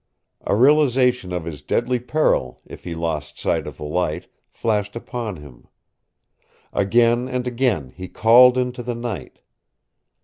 A realization of his deadly peril if he lost sight of the light flashed upon him. Again and again he called into the night.